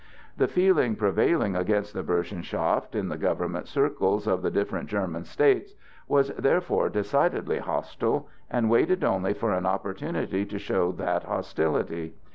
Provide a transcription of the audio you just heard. The feeling prevailing against the Burschenschaft in the government circles of the different German states was therefore decidedly hostile, and waited only for an opportunity to show that hostility.